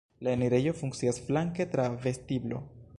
La enirejo funkcias flanke tra vestiblo.